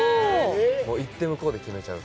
行って向こうで決めちゃう。